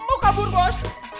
mau kabur bos